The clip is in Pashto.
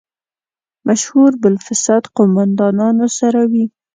مشهور بالفساد قوماندانانو سره وي.